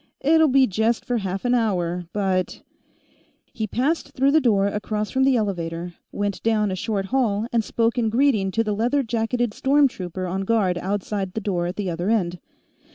"It'll be just for half an hour, but " He passed through the door across from the elevator, went down a short hall, and spoke in greeting to the leather jacketed storm trooper on guard outside the door at the other end.